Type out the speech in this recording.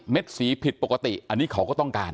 สีผิดปกติอันนี้เขาก็ต้องการ